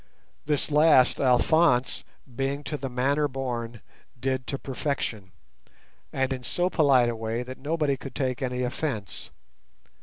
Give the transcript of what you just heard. This last Alphonse, being to the manner born, did to perfection, and in so polite a way that nobody could take any offence.